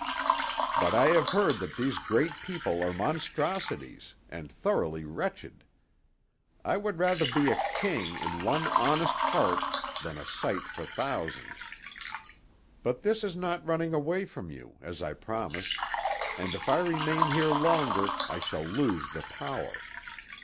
But I have heard that these great people are monstrosities, and thoroughly wretched. I would rather be a king in one honest heart, than a sight for thousands. But this is not running away from you, as I promised, and if I remain here longer I shall lose the power.